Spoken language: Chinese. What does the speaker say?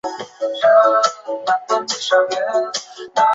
本届决赛实施新赛制。